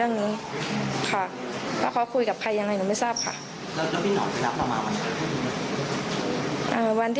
อันนี้ก็หนึ่งหนึ่งหนึ่งหนึ่ง